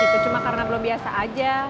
itu cuma karena belum biasa aja